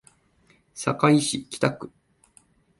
堺市北区